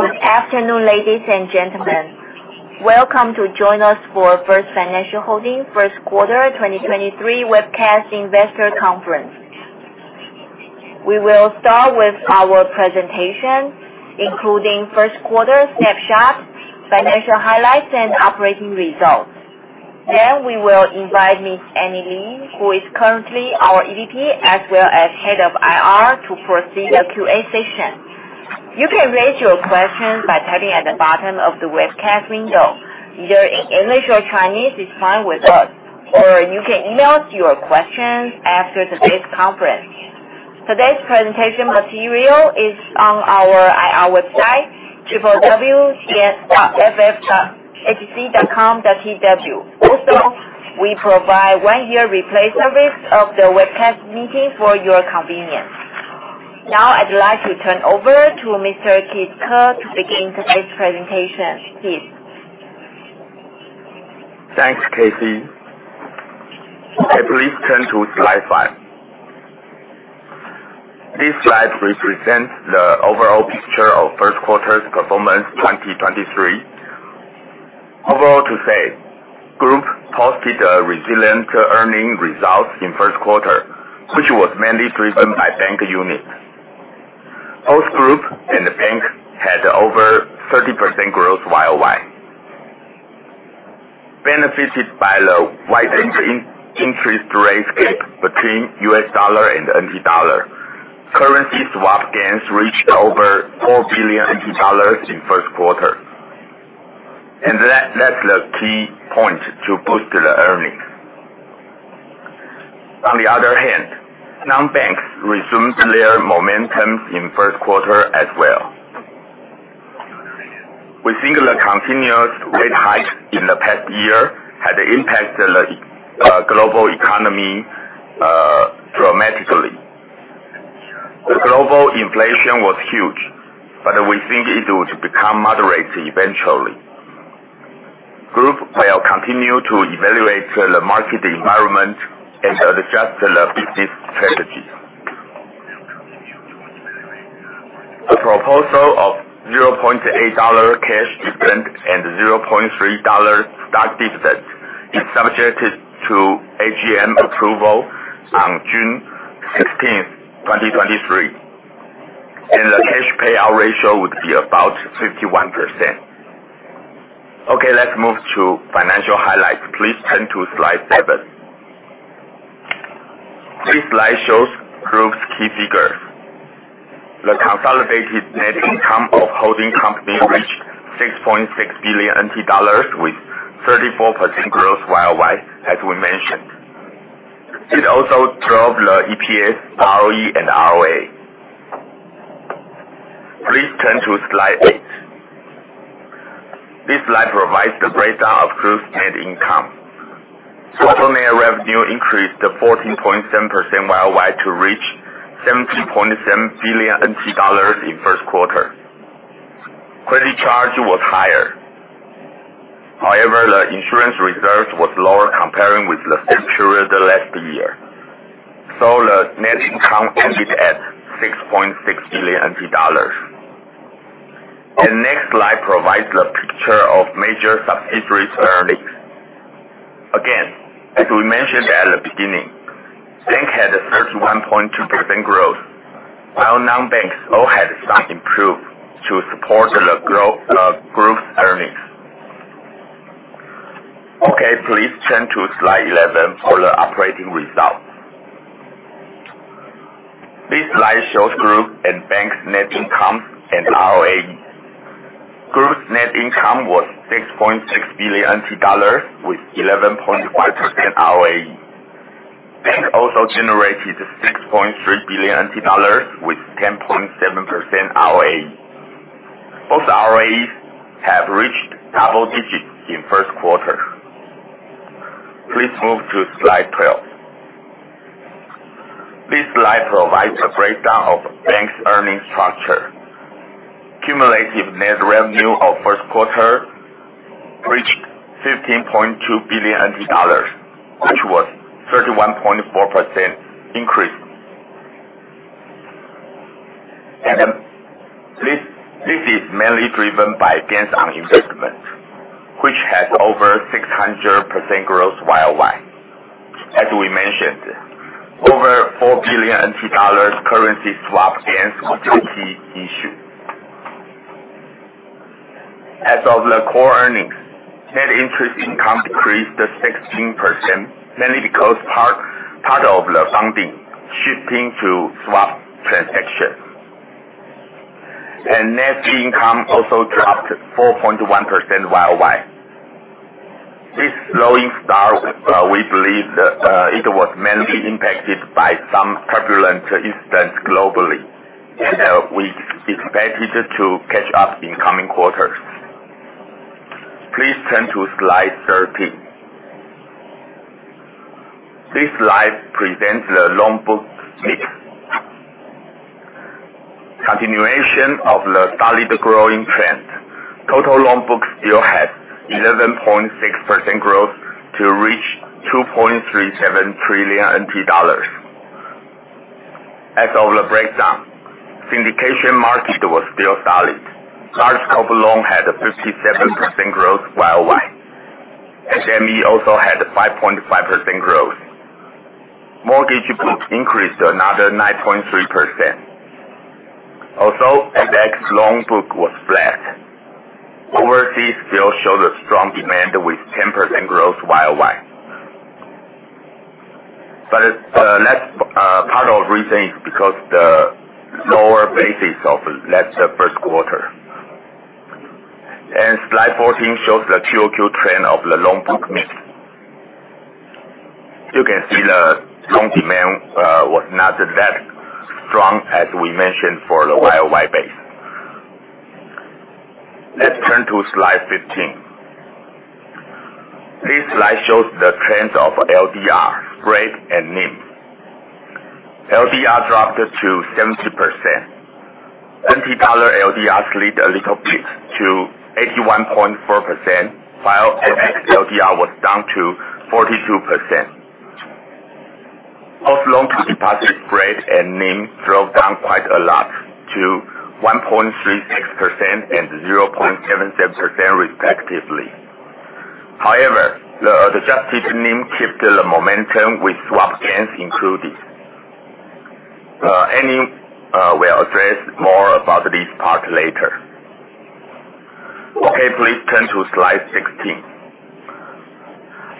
Good afternoon, ladies and gentlemen. Welcome to join us for First Financial Holding first quarter 2023 webcast investor conference. We will start with our presentation, including first quarter snapshot, financial highlights, and operating results. We will invite Ms. Annie Lee, who is currently our EVP, as well as Head of IR, to proceed the Q&A session. You can raise your questions by typing at the bottom of the webcast window, either in English or Chinese is fine with us, or you can email us your questions after today's conference. Today's presentation material is on our IR website, www.ffhc.com.tw. We provide one-year replay service of the webcast meeting for your convenience. I'd like to turn over to Mr. Kit Ke to begin today's presentation. Please. Thanks, Casey. Please turn to slide five. This slide represents the overall picture of first quarter's performance 2023. Overall, to say, group posted a resilient earning result in first quarter, which was mainly driven by bank unit. Both group and the bank had over 30% growth YOY. Benefited by the widening interest rate gap between US dollar and NT dollar, currency swap gains reached over 4 billion dollars in first quarter. That's the key point to boost the earnings. Non-banks resumed their momentum in first quarter as well. We think the continuous rate hike in the past year has impacted the global economy dramatically. The global inflation was huge, but we think it would become moderate eventually. Group will continue to evaluate the market environment and adjust the business strategy. A proposal of 0.8 dollar cash dividend and 0.3 dollar stock dividend is subjected to AGM approval on June 16th, 2023. The cash payout ratio would be about 51%. Let's move to financial highlights. Please turn to slide seven. This slide shows group's key figures. The consolidated net income of holding company reached 6.6 billion NT dollars with 34% growth YOY, as we mentioned. It also drove the EPS, ROE, and ROA. Please turn to slide eight. This slide provides the breakdown of group's net income. Total net revenue increased to 14.7% YOY to reach 7.7 billion NT dollars in first quarter. Credit charge was higher. However, the insurance reserves was lower comparing with the same period last year. The net income ended at 6.6 billion NT dollars. The next slide provides the picture of major subsidiaries' earnings. As we mentioned at the beginning, bank had a 31.2% growth, while non-banks all had some improvement to support the group's earnings. Please turn to slide 11 for the operating results. This slide shows group and bank's net income and ROAE. Group's net income was TWD 6.6 billion with 11.5% ROAE. Bank also generated TWD 6.3 billion with 10.7% ROAE. Both ROAEs have reached double digits in first quarter. Please move to slide 12. This slide provides a breakdown of bank's earning structure. Cumulative net revenue of first quarter reached 15.2 billion, which was 31.4% increase. This is mainly driven by gains on investment, which has over 600% growth YOY. As we mentioned, over 4 billion NT dollars currency swap gains was the key issue. As of the core earnings, net interest income decreased to 16%, mainly because part of the funding shifting to swap transactions. Net income also dropped 4.1% year-over-year. This slowing start, we believe it was mainly impacted by some turbulent incidents globally, and we expect it to catch up in coming quarters. Please turn to slide 13. This slide presents the loan book mix. Continuation of the solid growing trend. Total loan book still had 11.6% growth to reach 2.37 trillion NT dollars. As of the breakdown, syndication market was still solid. Large corporate loan had a 57% growth year-over-year. SME also had a 5.5% growth. Mortgage book increased another 9.3%. Also, FX loan book was flat. Overseas still showed a strong demand with 10% growth year-over-year. Part of the reason is because the lower basis of last first quarter. Slide 14 shows the quarter-over-quarter trend of the loan book mix. You can see the loan demand was not that strong as we mentioned for the year-over-year base. Let's turn to slide 15. This slide shows the trends of LDR, spread, and NIM. LDR dropped to 70%. New Taiwan dollar LDR slid a little bit to 81.4%, while FX LDR was down to 42%. Loan-to-deposit spread and NIM drove down quite a lot to 1.36% and 0.77% respectively. However, the adjusted NIM kept the momentum with swap gains included. We'll address more about this part later. Please turn to slide 16.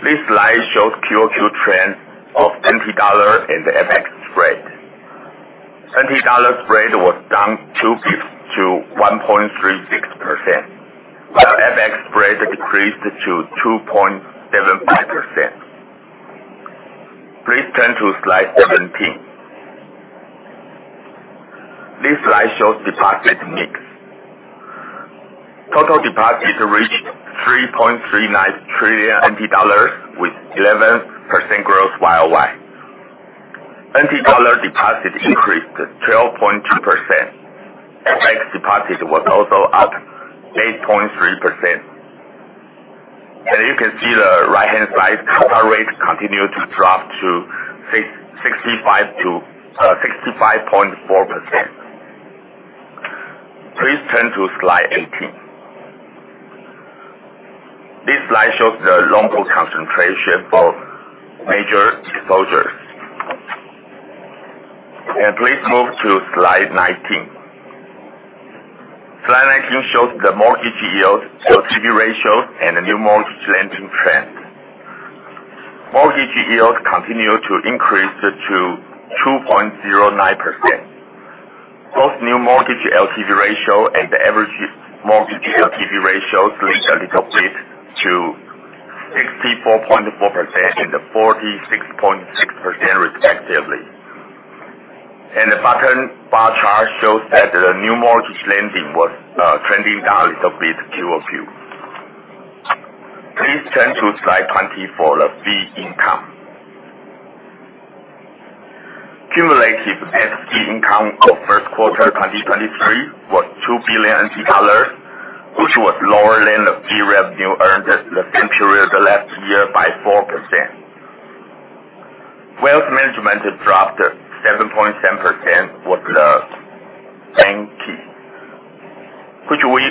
This slide shows quarter-over-quarter trend of New Taiwan dollar and FX spread. New Taiwan dollar spread was down 2 bps to 1.36%, while FX spread decreased to 2.75%. Please turn to slide 17. This slide shows deposit mix. Total deposit reached 3.39 trillion NT dollars with 11% growth year-over-year. New Taiwan dollar deposit increased 12.2%. FX deposit was also up 8.3%. You can see the right-hand side, CASA rate continued to drop to 65.4%. Please turn to slide 18. This slide shows the loan book concentration for major exposures. Please move to slide 19. Slide 19 shows the mortgage yields, LTV ratios, and the new mortgage lending trend. Mortgage yields continued to increase to 2.09%. Both new mortgage LTV ratio and the average mortgage LTV ratio slid a little bit to 64.4% and 46.6% respectively. The bottom bar chart shows that the new mortgage lending was trending down a little bit quarter-over-quarter. Please turn to slide 20 for the fee income. Cumulative fee income for first quarter 2023 was 2 billion dollars, which was lower than the fee revenue earned at the same period last year by 4%. Wealth management dropped 7.7% with the bank fee, which we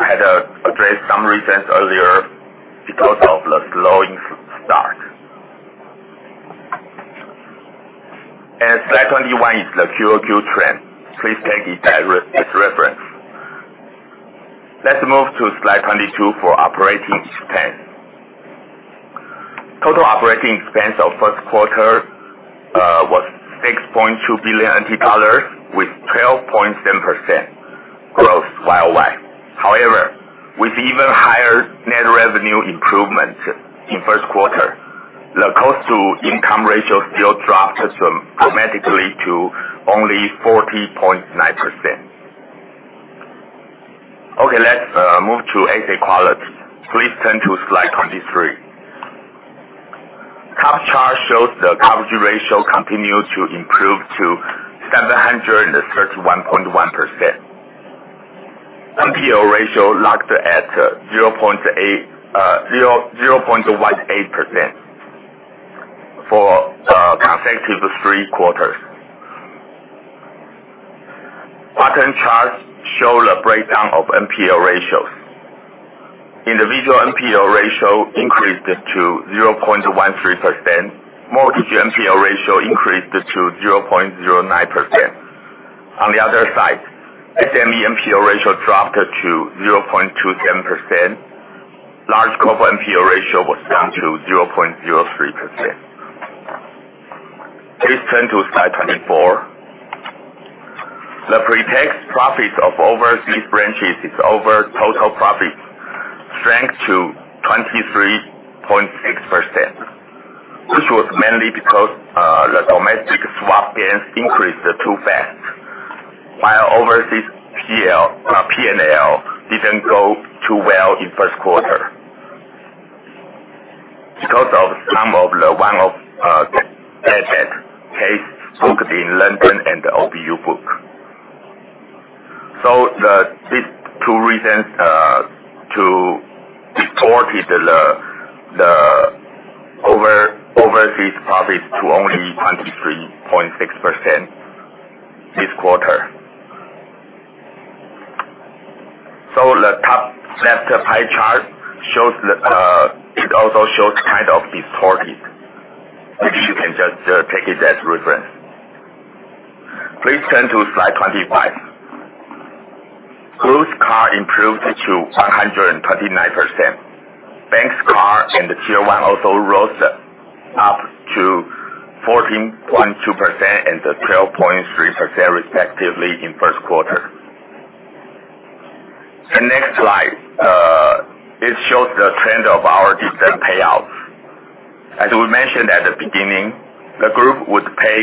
had addressed some reasons earlier because of the slowing start. Slide 21 is the quarter-over-quarter trend. Please take it as reference. Let's move to slide 22 for operating expense. Total operating expense of first quarter was 6.2 billion dollars with 12.7% growth year-over-year. However, with even higher net revenue improvement in first quarter, the C/I ratio still dropped dramatically to only 40.9%. Let's move to asset quality. Please turn to slide 23. Top chart shows the coverage ratio continued to improve to 731.1%. NPL ratio locked at 0.18% for consecutive three quarters. Bottom chart show the breakdown of NPL ratios. Individual NPL ratio increased to 0.13%. Mortgage NPL ratio increased to 0.09%. On the other side, SME NPL ratio dropped to 0.27%. Large corporate NPL ratio was down to 0.03%. Please turn to slide 24. The pre-tax profits of overseas branches is over total profits, shrank to 23.6%, which was mainly because the domestic swap gains increased too fast, while overseas P&L didn't go too well in first quarter because of some of the one-off bad debt case booked in London and the OBU book. These two reasons distorted the overseas profits to only 23.6% this quarter. The top left pie chart, it also shows kind of distorted, which you can just take it as reference. Please turn to slide 25. Group CAR improved to 129%. Bank's CAR and the Tier 1 also rose up to 14.2% and 12.3%, respectively, in first quarter. The next slide. It shows the trend of our dividend payouts. As we mentioned at the beginning, the group would pay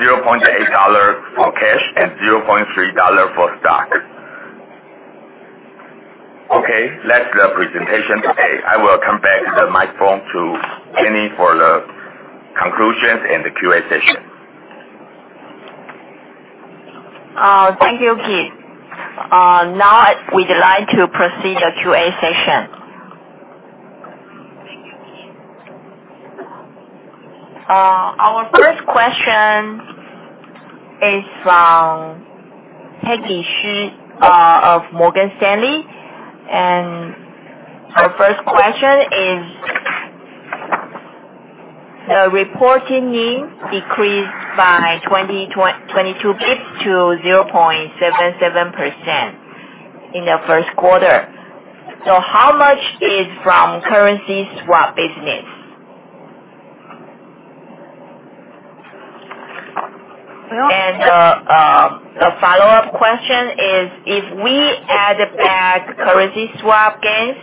0.8 dollar for cash and 0.3 dollar for stock. Okay, that's the presentation today. I will come back the microphone to Jenny for the conclusions and the QA session. Thank you, Keith. We'd like to proceed the QA session. Our first question is from Peggy Shih of Morgan Stanley, her first question is, the reporting NIM decreased by 22 basis points to 0.77% in the first quarter. How much is from currency swap business? Well- The follow-up question is, if we add back currency swap gains,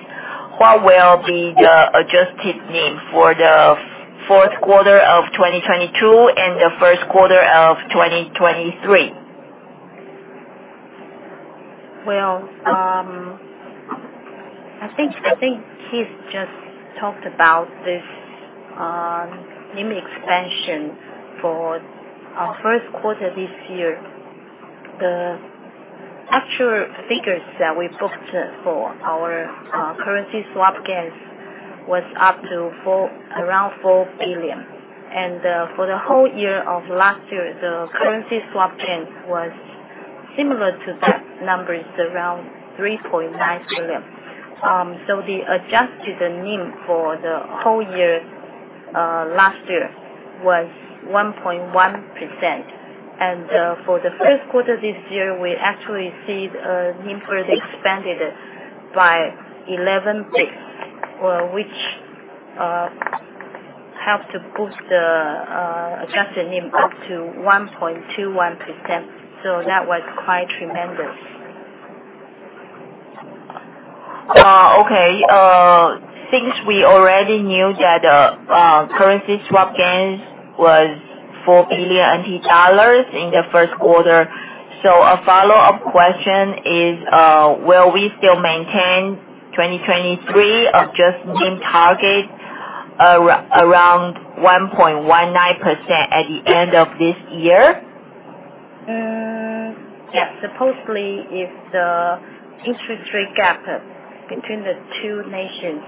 what will be the adjusted NIM for the fourth quarter of 2022 and the first quarter of 2023? I think Keith just talked about this NIM expansion for our first quarter this year. The actual figures that we booked for our currency swap gains was up to around 4 billion. For the whole year of last year, the currency swap gains was similar to that numbers, around 3.9 billion. The adjusted NIM for the whole year last year was 1.1%, and for the first quarter this year, we actually see NIM further expanded by 11 basis points, which helped to boost the adjusted NIM up to 1.21%. That was quite tremendous. Okay. Since we already knew that currency swap gains was 4 billion dollars in the first quarter, a follow-up question is, will we still maintain 2023 adjusted NIM target around 1.19% at the end of this year? Yes. Supposedly, if the interest rate gap between the two nations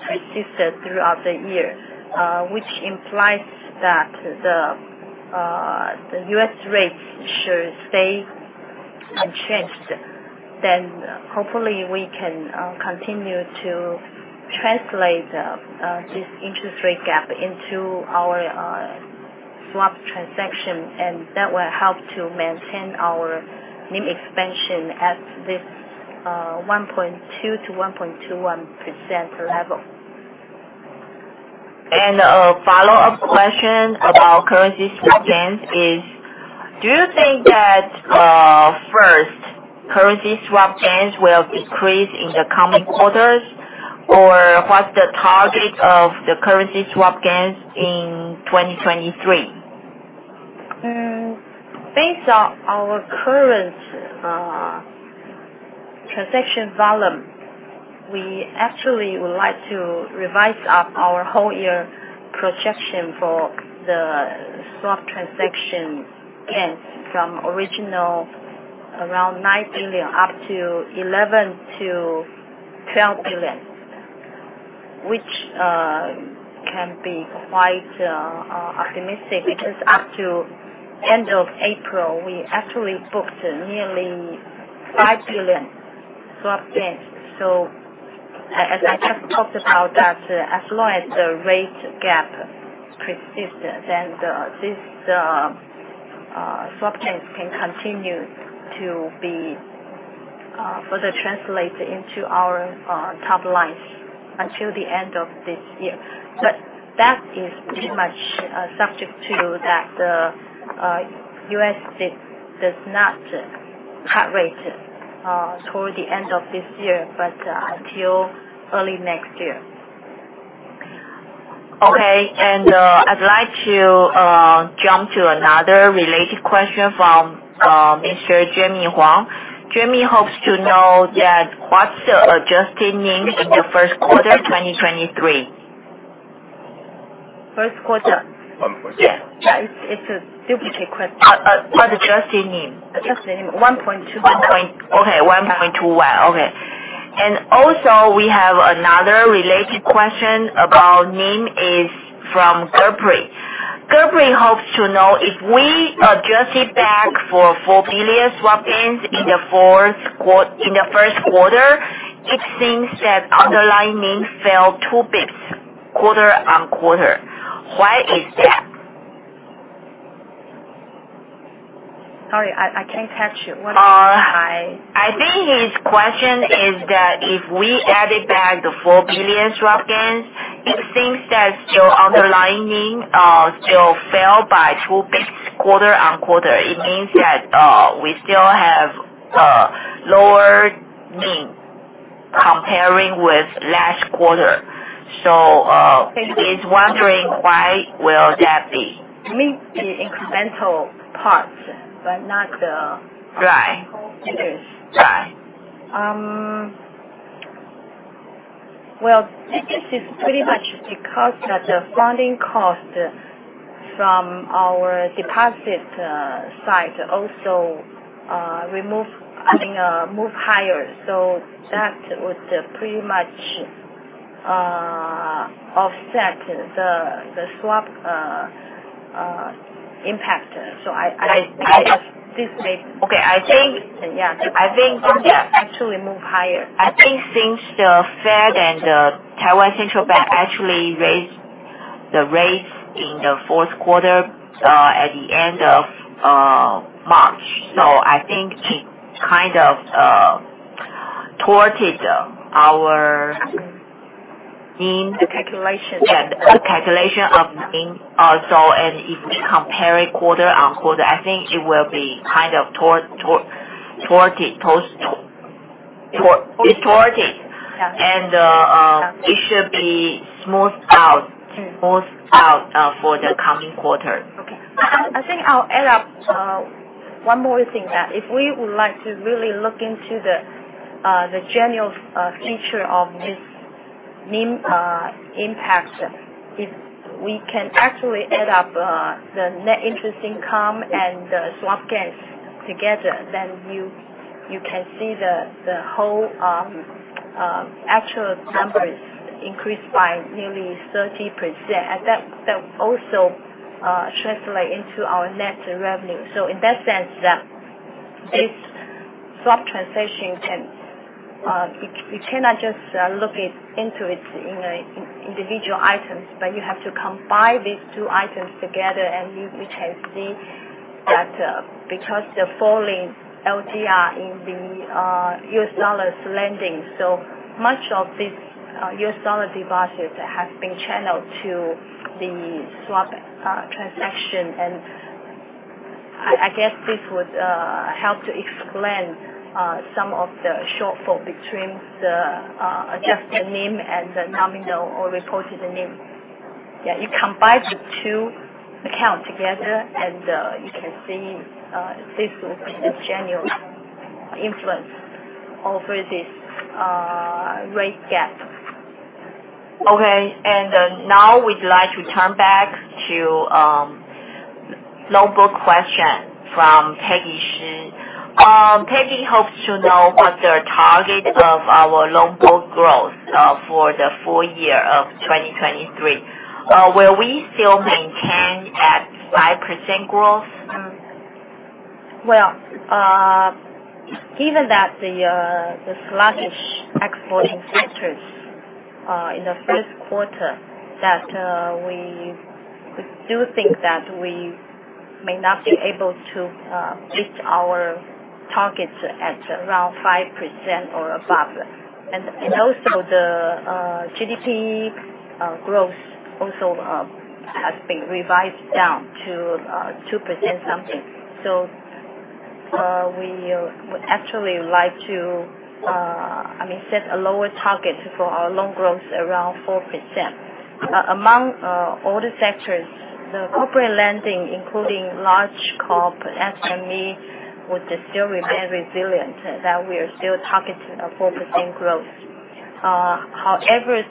persisted throughout the year, which implies that the U.S. rates should stay unchanged, hopefully we can continue to translate this interest rate gap into our swap transaction, that will help to maintain our NIM expansion at this 1.2% to 1.21% level. A follow-up question about currency swap gains is, do you think that, first, currency swap gains will decrease in the coming quarters? What's the target of the currency swap gains in 2023? Based on our current transaction volume, we actually would like to revise up our whole-year projection for the swap transaction gains from original around 9 billion up to 11 billion-12 billion, which can be quite optimistic because up to end of April, we actually booked nearly 5 billion swap gains. As I just talked about that, as long as the rate gap persists, this swap gains can continue to be further translated into our top line until the end of this year. That is pretty much subject to that the U.S. does not cut rates toward the end of this year, but until early next year. Okay. I'd like to jump to another related question from Mr. Jimmy Huang. Jimmy hopes to know that what's the adjusted NIM in the first quarter 2023? First quarter. Yeah. It's a duplicate question. What adjusted NIM? Adjusted NIM, 1.21. Okay, 1.21. Also, we have another related question about NIM, is from Gurpreet. Gurpreet hopes to know if we adjusted back for 4 billion swap gains in the first quarter, it seems that underlying NIM fell 2 bps quarter-on-quarter. Why is that? Sorry, I can't catch it. One more time. I think his question is that if we added back the 4 billion swap gains, it seems that your underlying NIM still fell by 2 basis points quarter-on-quarter. It means that we still have a lower NIM comparing with last quarter. He's wondering why will that be? You mean the incremental parts, but not the- Right. -whole interest. Yeah. Well, this is pretty much because that funding cost from our deposit side also move higher. That would pretty much offset the swap impact. I think this may- Okay. Yeah. I think it will actually move higher. I think since the Fed and the Taiwan Central Bank actually raised the rates in the fourth quarter at the end of March, I think it kind of thwarted our NIM- Calculation. Yeah, the calculation of NIM also. If we compare it quarter-on-quarter, I think it will be kind of thwarted. It's thwarted. Yeah. It should be smoothed out for the coming quarter. Okay. I think I'll add up one more thing, that if we would like to really look into the general feature of this NIM impact, if we can actually add up the net interest income and the swap gains together, then you can see the whole actual numbers increased by nearly 30%. That also translate into our net revenue. In that sense, this swap transition, you cannot just look into its individual items, but you have to combine these two items together, and you can see that because the falling LDR in the US dollars lending, so much of this US dollar deposits have been channeled to the swap transaction. I guess this would help to explain some of the shortfall between the adjusted NIM and the nominal or reported NIM. Yeah, you combine the two accounts together, and you can see this will be the general influence over this rate gap. Okay. Now we'd like to come back to loan book question from Peggy Xu. Peggy hopes to know what the target of our loan book growth for the full year of 2023. Will we still maintain at 5% growth? Well, given that the sluggish export sectors in the first quarter, that we still think that we may not be able to reach our targets at around 5% or above. Also the GDP growth also has been revised down to 2% something. We would actually like to set a lower target for our loan growth around 4%. Among all the sectors, the corporate lending, including large corp, SME, would still remain resilient, that we are still targeting a 4% growth. However,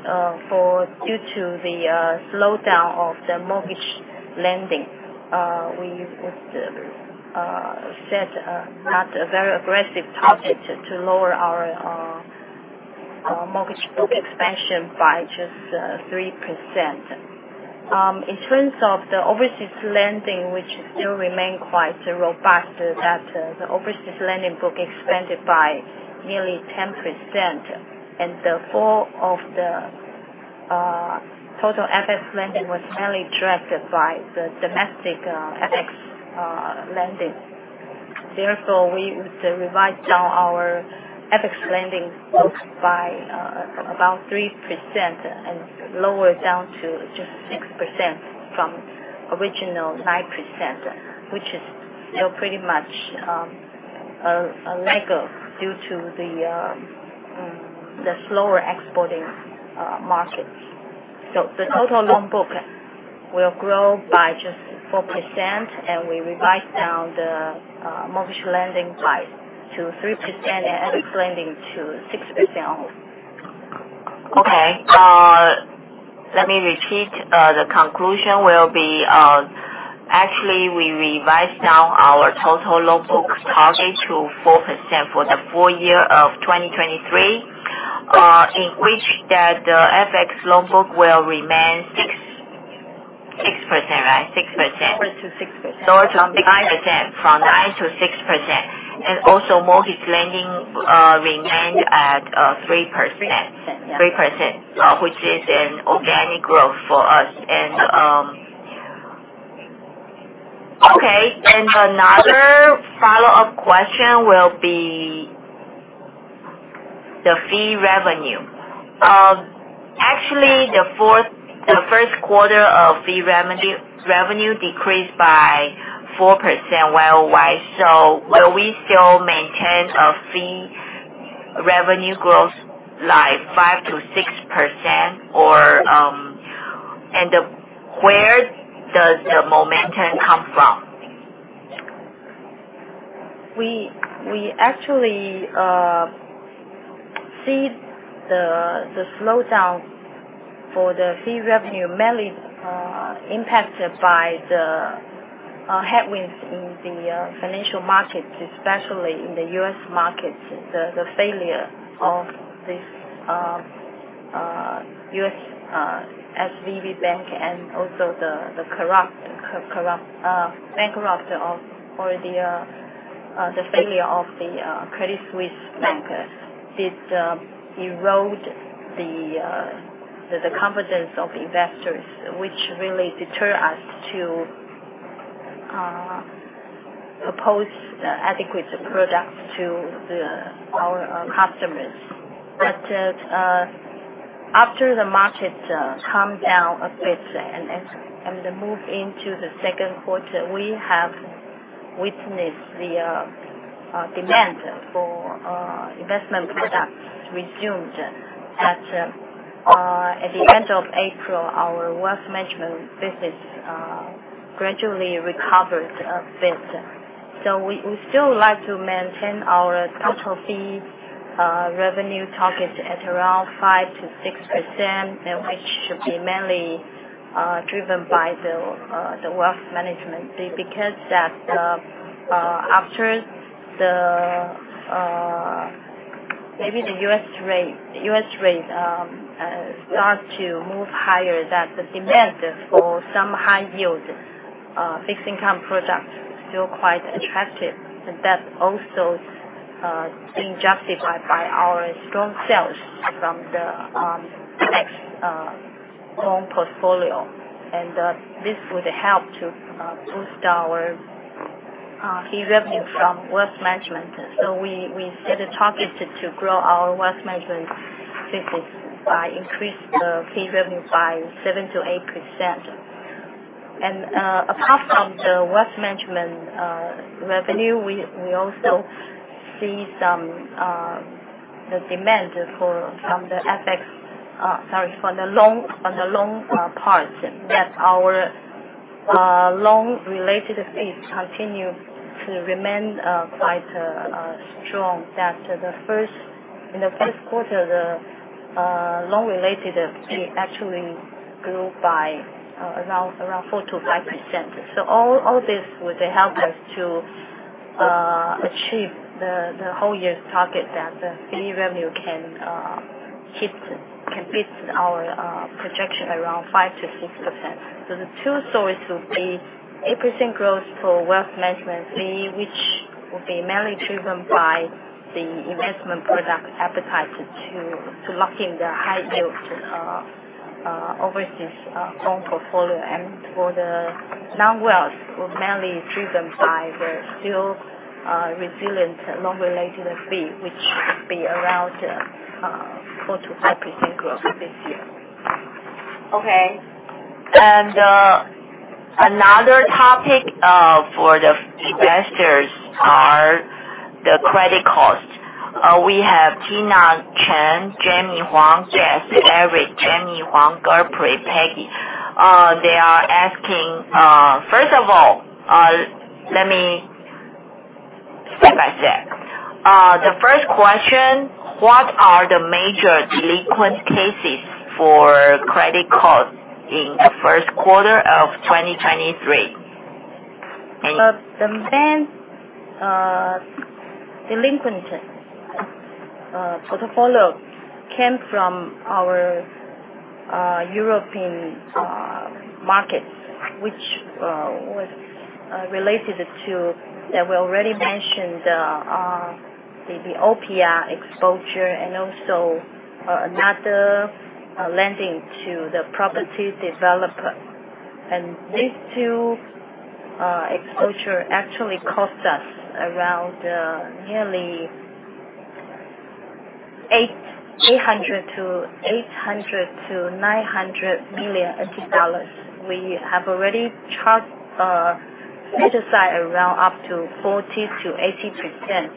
due to the slowdown of the mortgage lending, we would set not a very aggressive target to lower our mortgage book expansion by just 3%. In terms of the overseas lending, which still remain quite robust, that the overseas lending book expanded by nearly 10%, and the fall of the total FX lending was mainly driven by the domestic FX lending. We would revise down our FX lending books by about 3% and lower it down to just 6% from original 9%, which is still pretty much a lag due to the slower exporting markets. The total loan book will grow by just 4%, and we revised down the mortgage lending price to 3%, and FX lending to 6%. Okay. Let me repeat. The conclusion will be, actually, we revised down our total loan book target to 4% for the full year of 2023, in which the FX loan book will remain 6%. Right? 6%. Lower to 6%. Lower from 9%. From 9% to 6%. Also, mortgage lending remains at 3%. 3%, yeah. 3%, which is an organic growth for us. Okay. Another follow-up question will be the fee revenue. Actually, the first quarter of fee revenue decreased by 4% year-over-year. Will we still maintain a fee revenue growth like 5%-6%? Where does the momentum come from? We actually see the slowdown for the fee revenue mainly impacted by the headwinds in the financial markets, especially in the US markets, the failure of the US SVB Bank and also the bankruptcy, or the failure of the Credit Suisse Bank. This eroded the confidence of investors, which really deter us to propose adequate products to our customers. After the market calmed down a bit and moved into the second quarter, we have witnessed the demand for investment products resumed. At the end of April, our wealth management business gradually recovered a bit. We would still like to maintain our total fee revenue target at around 5%-6%, which should be mainly driven by the wealth management. After maybe the US rate starts to move higher, that the demand for some high yield fixed income product is still quite attractive, and that's also being justified by our strong sales from the FX loan portfolio. This would help to boost our fee revenue from wealth management. We set a target to grow our wealth management business by increasing the fee revenue by 7%-8%. Apart from the wealth management revenue, we also see some demand from the FX Sorry, from the loan parts, that our loan-related fees continue to remain quite strong. That in the first quarter, the loan-related fee actually grew by around 4%-5%. All this would help us to achieve the whole year's target that the fee revenue can beat our projection around 5%-6%. The two stories will be 8% growth for wealth management fee, which will be mainly driven by the investment product appetite to lock in the high yield overseas loan portfolio. For the non-wealth, will mainly be driven by the still resilient loan-related fee, which should be around 4%-5% growth this year. Okay. Another topic for the investors are the credit costs. We have Tina Chen, Jemmy Huang, Jess, Eric, Jemmy Huang, Godfrey, Peggy. The first question, what are the major delinquent cases for credit costs in the first quarter of 2023? The main delinquencies portfolio came from our European markets, which was related to, we already mentioned, the Orpea exposure and also another lending to the property developer. These two exposures actually cost us around nearly 800 million-900 million dollars. We have already charged a set aside around up to 40%-80%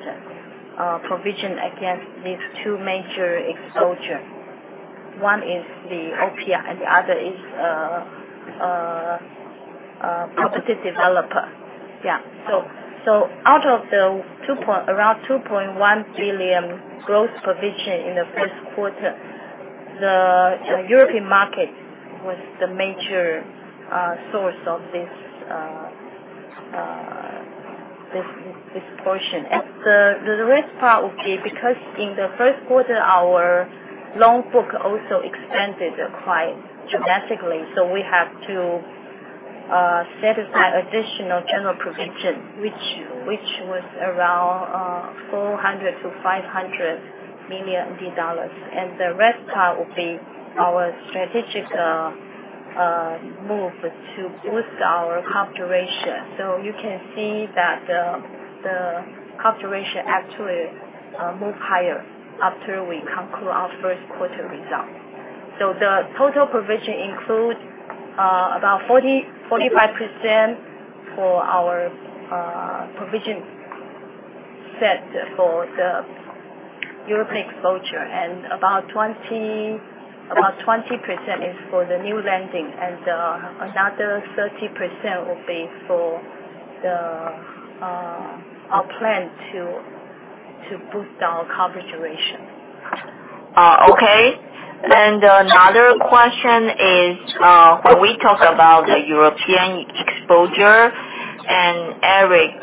provision against these two major exposures. One is the Orpea and the other is property developer. Out of the around 2.1 billion gross provision in the first quarter, the European market was the major source of this portion. The rest part will be because in the first quarter, our loan book also expanded quite dramatically. We have to set aside additional general provision, which was around $400 million-$500 million. The rest part will be our strategic move to boost our coverage ratio. You can see that the coverage ratio actually moved higher after we conclude our first quarter result. The total provision includes about 45% for our provision set for the European exposure. About 20% is for the new lending, and another 30% will be for our plan to boost our coverage ratio. Okay. Another question is, when we talk about the European exposure, Eric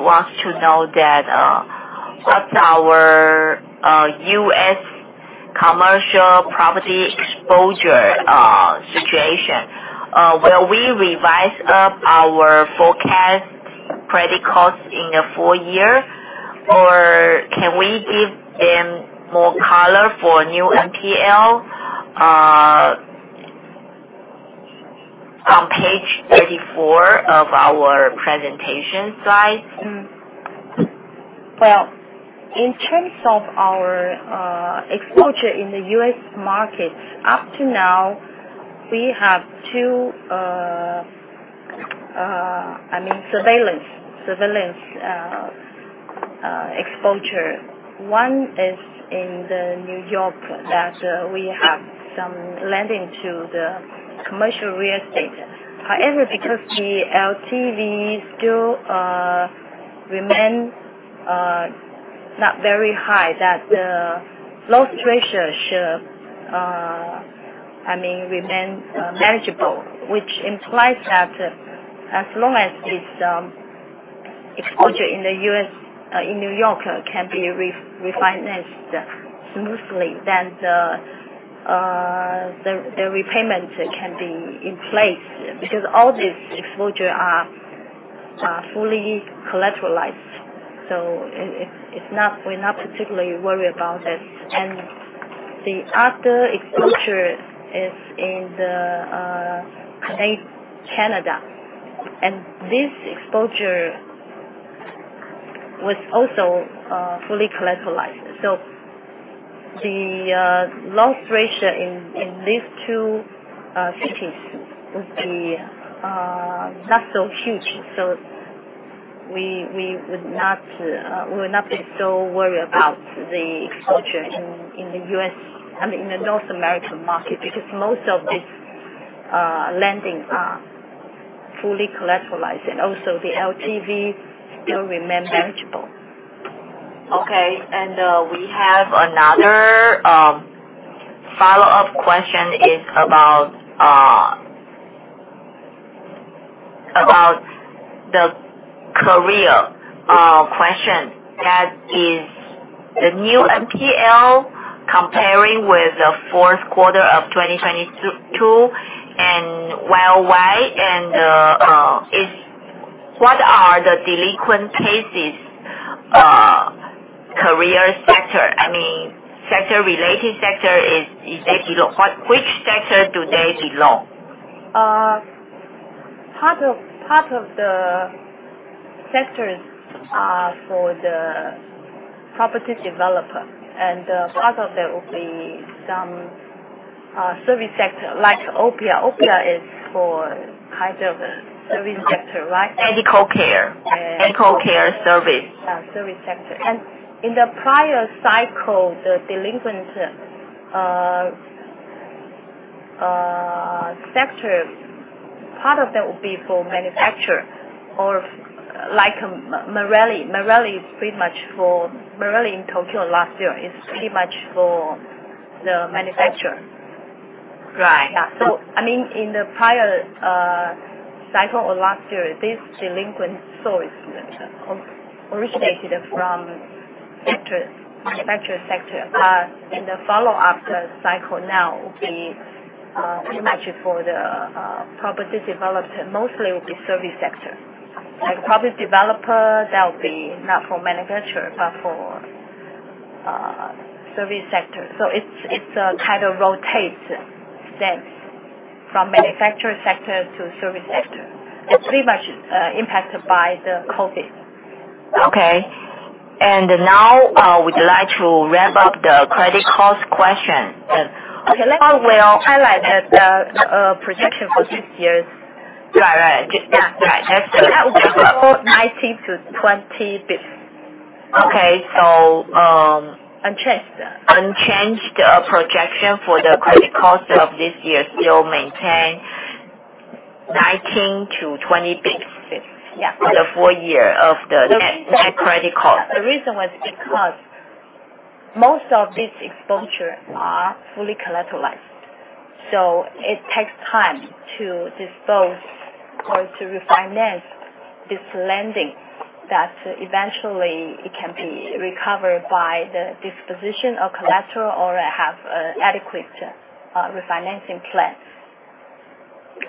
wants to know what's our U.S. commercial property exposure situation? Will we revise up our forecast credit costs in the full year, can we give them more color for new NPL on page 34 of our presentation slides? Well, in terms of our exposure in the U.S. market, up to now, we have two surveillance exposure. One is in New York, that we have some lending to the commercial real estate. However, because the LTV still remains not very high, that the loss ratio should remain manageable, which implies that as long as its exposure in the U.S., in New York, can be refinanced smoothly, the repayment can be in place, because all these exposure are fully collateralized. We're not particularly worried about it. The other exposure is in Canada, this exposure was also fully collateralized. The loss ratio in these two cities would be not so huge. We would not be so worried about the exposure in the North American market, because most of these lendings are fully collateralized, and also the LTV still remain manageable. Okay. We have another follow-up question is about the core question. That is the new NPL comparing with the fourth quarter of 2022, why, and what are the delinquent cases? Core sector, related sector, which sector do they belong? Part of the sectors are for the property developer, part of that will be some service sector like Orpea. Orpea is for kind of a service sector, right? Medical care. Medical care service. Yeah, service sector. In the prior cycle, the delinquent sectors, part of that will be for manufacturer or like Marelli. Marelli in Tokyo last year is pretty much for the manufacturer. Right. Yeah. In the prior cycle or last year, this delinquent source originated from manufacturer sector. In the follow-up cycle now will be pretty much for the property developer, mostly will be service sector. Like property developer, that will be not for manufacturer, but for service sector. It kind of rotates then from manufacturer sector to service sector. It's pretty much impacted by the COVID. Okay. Now we'd like to wrap up the credit cost question. Let me highlight that the projection for this year's Right. Yeah. Excellent. It will be 19-20 bps. Okay. Unchanged. Unchanged projection for the credit cost of this year, still maintain 19-20 basis points. Basis points, yeah. For the full year of the net credit cost. The reason was because most of these exposure are fully collateralized. It takes time to dispose or to refinance this lending that eventually it can be recovered by the disposition of collateral or have adequate refinancing plans.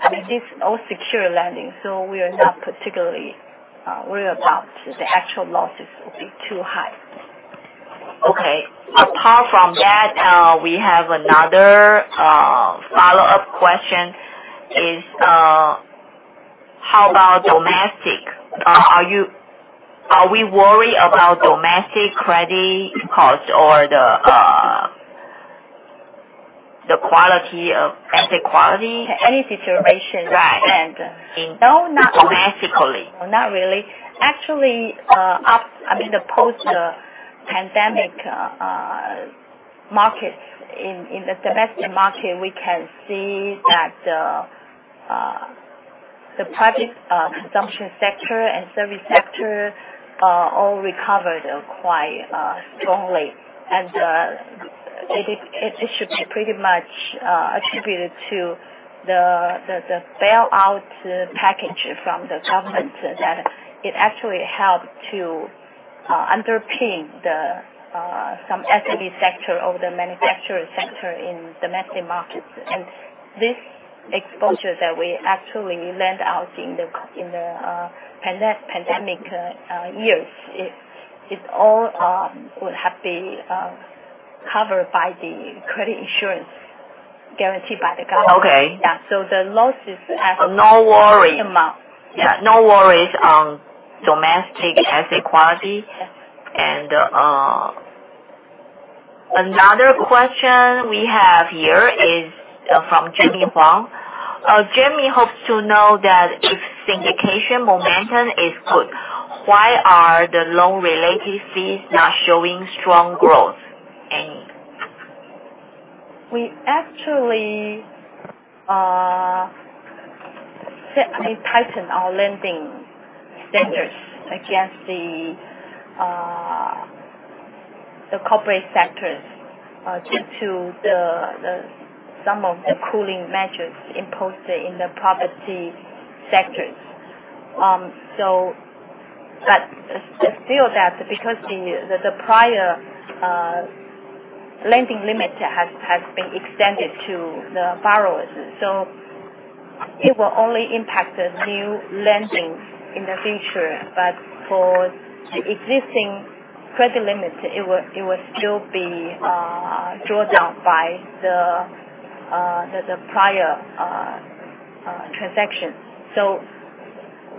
Okay. It's all secure lending, so we are not particularly worried about the actual losses will be too high. Okay. Apart from that, we have another follow-up question. How about domestic? Are we worried about domestic credit costs or the quality of asset quality? Any deterioration? Right. No, not really. Domestically. Not really. Actually, post the pandemic markets, in the domestic market, we can see that the private consumption sector and service sector all recovered quite strongly. It should be pretty much attributed to the bailout package from the government, that it actually helped to underpin some SME sector or the manufacturer sector in domestic markets. This exposure that we actually lend out in the pandemic years, it all would have been covered by the credit insurance guaranteed by the government. Okay. Yeah. The losses have- No worry. Minimum. Yeah. No worries on domestic asset quality. Yeah. Another question we have here is from Jimmy Huang. Jimmy hopes to know that if syndication momentum is good, why are the loan-related fees not showing strong growth any? We actually tightened our lending standards against the corporate sectors due to some of the cooling measures imposed in the property sectors. Still, that's because the prior lending limit has been extended to the borrowers. It will only impact the new lending in the future. For the existing credit limits, it will still be drawn down by the prior transaction.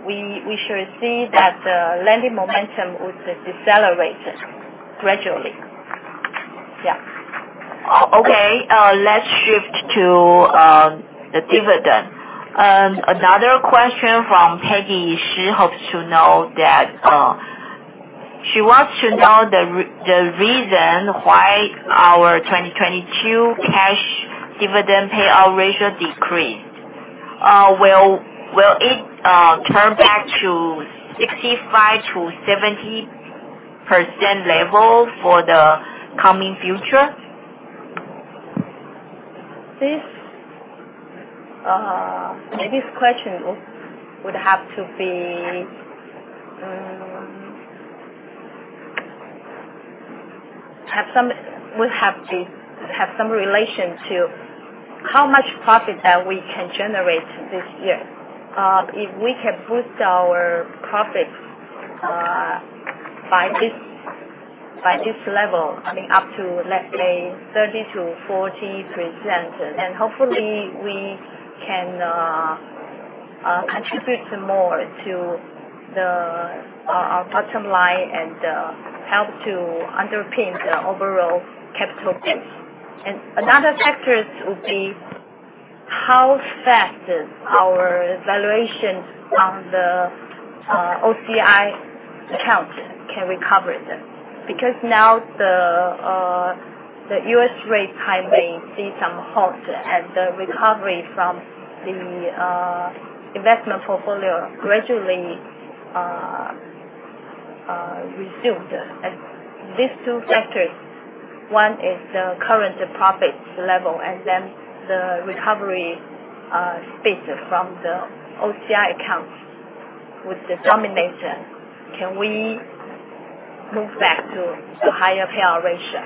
We should see that the lending momentum would decelerate gradually. Yeah. Okay. Let's shift to the dividend. Another question from Peggy. She wants to know the reason why our 2022 cash dividend payout ratio decreased. Will it turn back to 65%-70% level for the coming future? This question would have to have some relation to how much profit that we can generate this year. If we can boost our profits by this level, up to, let's say, 30% to 40%, hopefully we can contribute more to our bottom line and help to underpin the overall capital base. Another factor would be how fast our valuation on the OCI account can recover. Because now the U.S. rate hiking see some halt and the recovery from the investment portfolio gradually resumed. These two factors, one is the current profit level, then the recovery space from the OCI accounts would determine, can we move back to a higher payout ratio?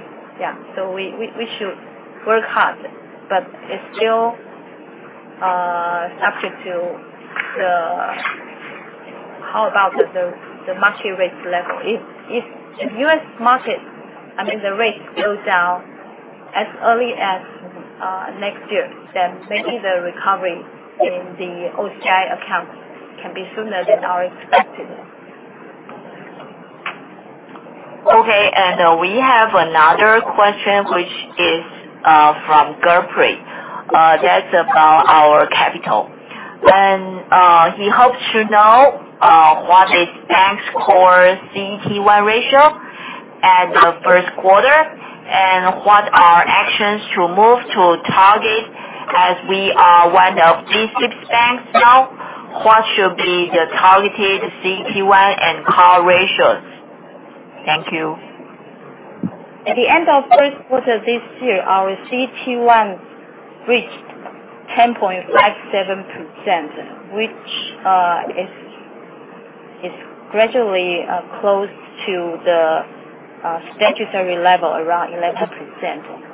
We should work hard, but it's still subject to how about the market rate level. If U.S. market, the rate goes down as early as next year, then maybe the recovery in the OCI account can be sooner than our expected. We have another question, which is from Gurpreet. That's about our capital, he hopes to know what is bank's core CET1 ratio at the first quarter, what are actions to move to target as we are one of the D-SIBs now, what should be the targeted CET1 and CAR ratios? Thank you. At the end of first quarter this year, our CET1 reached 10.57%, which is gradually close to the statutory level around 11%.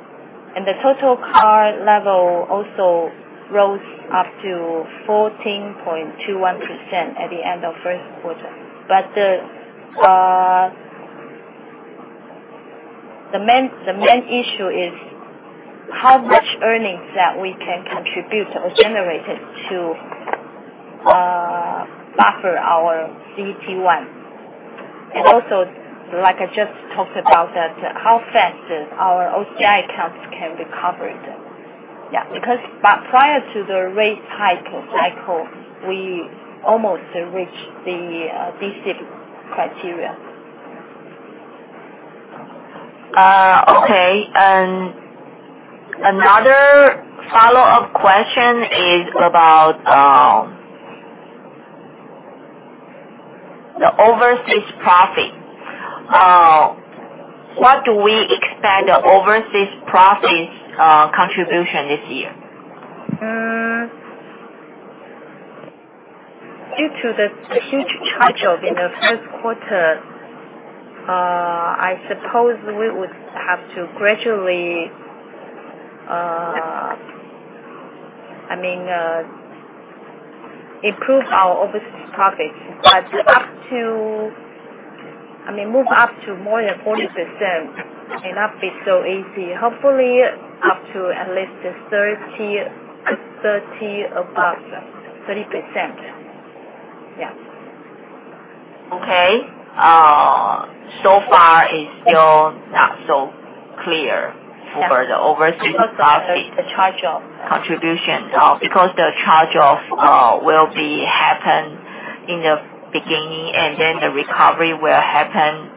The total CAR level also rose up to 14.21% at the end of first quarter. The main issue is how much earnings that we can contribute or generate to buffer our CET1. Also, like I just talked about, how fast our OCI accounts can recover. Yeah. Prior to the rate hike cycle, we almost reached the basic criteria. Okay, another follow-up question is about the overseas profit. What do we expect overseas profits contribution this year? Due to the huge charge-off in the first quarter, I suppose we would have to gradually improve our overseas profit. To move up to more than 40% may not be so easy. Hopefully, up to at least 30%. Yeah. Okay. Far, it's still not so clear for the overseas profit. Of the charge-off contribution. The charge-off will happen in the beginning, and then the recovery will happen.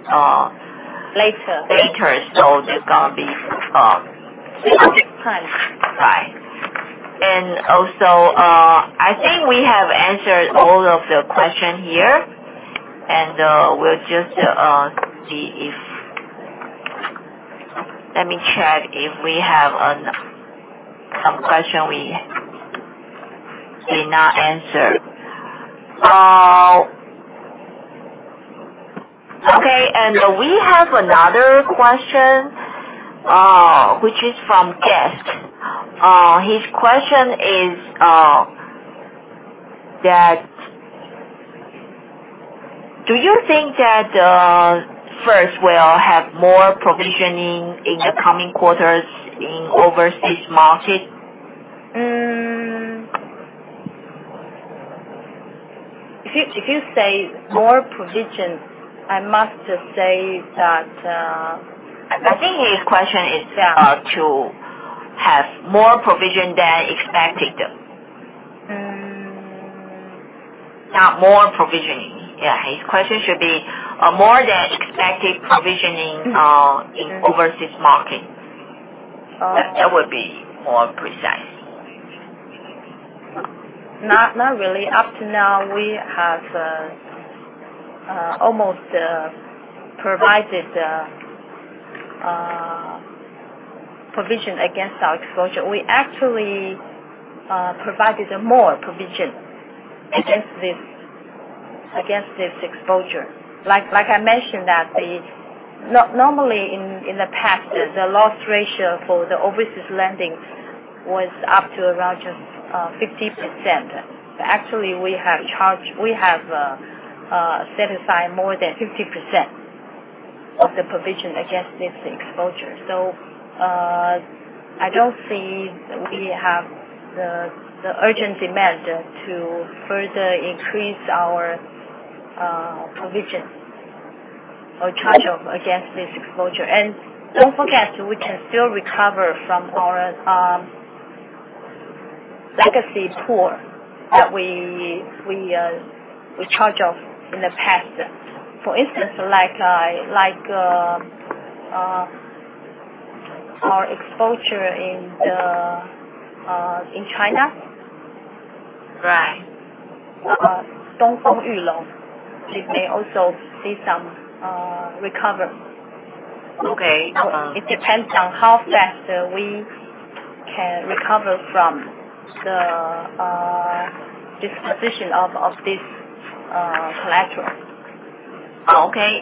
Later later. There's going to be. Time time. I think we have answered all of the questions here, and we'll just see if Let me check if we have some question we did not answer. Okay, we have another question, which is from Guest. His question is, do you think that First will have more provisioning in the coming quarters in overseas market? If you say more provisions, I must say that, I think his question is to have more provision than expected. Not more provisioning. Yeah, his question should be more than expected provisioning in overseas markets. Oh, okay. That would be more precise. Not really. Up to now, we have almost provided provision against our exposure. We actually provided more provision against this exposure. Like I mentioned, normally in the past, the loss ratio for the overseas lending was up to around just 50%. Actually, we have set aside more than 50% of the provision against this exposure. I don't see we have the urgent demand to further increase our provision or charge-off against this exposure. Don't forget, we can still recover from our legacy pool that we charged off in the past. For instance, like our exposure in China. Right. Dongfeng Yulon. Which may also see some recover. Okay. It depends on how fast we can recover from the disposition of this collateral. Okay,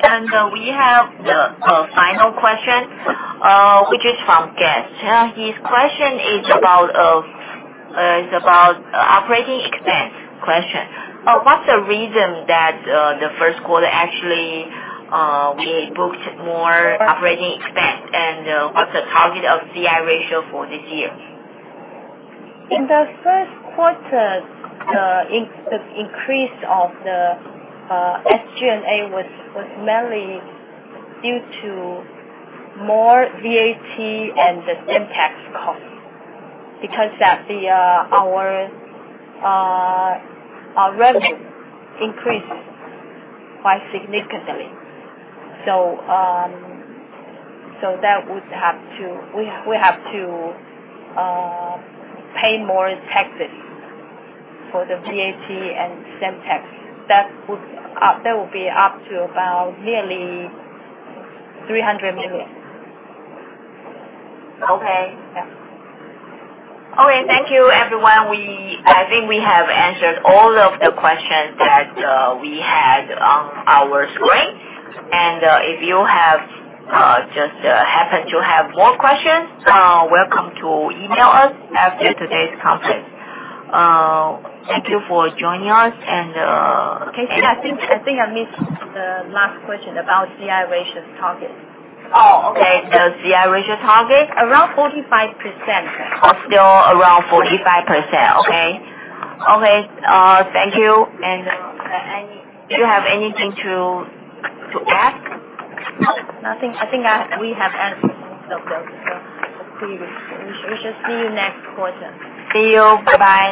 we have the final question, which is from Guest. Yeah. His question is about operating expense. Question, what's the reason that the first quarter actually, we booked more operating expense? What's the target of C/I ratio for this year? In the first quarter, the increase of the SG&A was mainly due to more VAT and the impact cost because our revenue increased quite significantly. We have to pay more taxes for the VAT and same tax. That would be up to about nearly 300 million. Okay. Yeah. Okay. Thank you, everyone. I think we have answered all of the questions that we had on our screen. If you just happen to have more questions, you're welcome to email us after today's conference. Thank you for joining us. Okay. I think I missed the last question about CI ratios target. Oh, okay. The CI ratio target? Around 45%. Still around 45%. Okay. Thank you. Do you have anything to add? Nothing. I think we have answered most of the previous questions. We should see you next quarter. See you. Bye bye.